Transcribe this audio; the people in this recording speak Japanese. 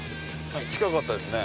近かったですね。